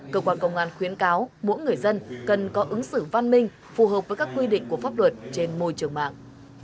cơ quan công an khuyến cáo mỗi người dân cần có ứng xử văn minh phù hợp với các quy định của pháp luật trên môi trường mạng